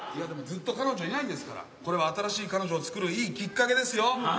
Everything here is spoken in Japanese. でもずっと彼女いないですからこれは新しい彼女をつくるいいきっかけですよ。